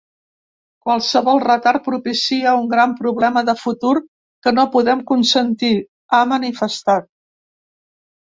“Qualsevol retard propicia un gran problema de futur que no podem consentir”, ha manifestat.